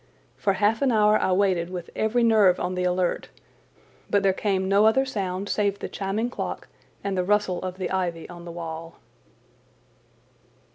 For half an hour I waited with every nerve on the alert, but there came no other sound save the chiming clock and the rustle of the ivy on the wall.